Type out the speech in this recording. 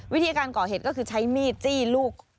วิธีการก่อเหตุก็คือใช้มีดจี้ลูก